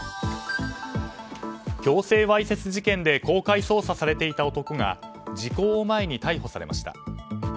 強制わいせつ事件で公開捜査されていた男が時効を前に逮捕されました。